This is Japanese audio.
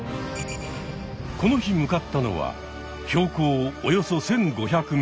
この日向かったのは標高およそ１５００ｍ。